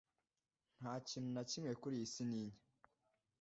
Nta kintu na kimwe kuri iyi si ntinya